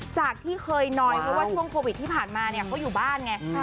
จากที่เคยน้อยเพราะว่าช่วงโควิดที่ผ่านมาเนี่ยเขาอยู่บ้านไง